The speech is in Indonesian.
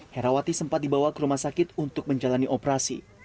herawati sempat dibawa ke rumah sakit untuk menjalani operasi